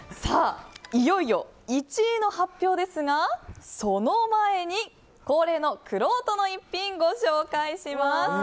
いよいよ１位の発表ですがその前に、恒例のくろうとの逸品ご紹介します。